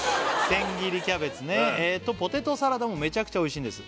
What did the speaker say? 千切りキャベツね「とポテトサラダもめちゃくちゃおいしいんです」